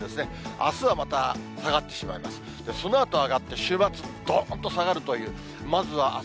あすはまた下がってしまいます。